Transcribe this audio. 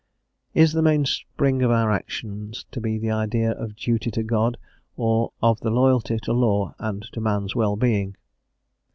"_Is the mainspring of our actions to be the idea of duty to God, or the of loyalty to law and to man's well being?